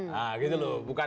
nah gitu loh